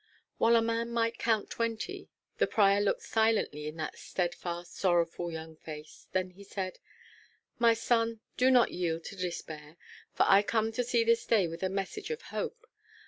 While a man might count twenty, the prior looked silently in that steadfast sorrowful young face. Then he said, "My son, do not yield to despair; for I come to thee this day with a message of hope.